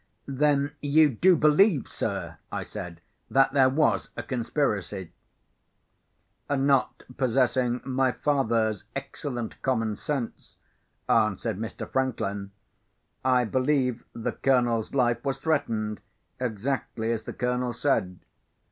"Then you do believe, sir," I said, "that there was a conspiracy?" "Not possessing my father's excellent common sense," answered Mr. Franklin, "I believe the Colonel's life was threatened, exactly as the Colonel said.